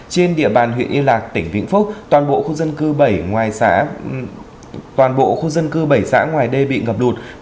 trên địa bàn huyện yên lạc tỉnh vĩnh phúc toàn bộ khu dân cư bảy xã ngoài đê bị ngập đụt